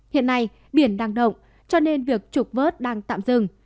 hiện nay biển đang động cho nên việc trục vớt đang tạm dừng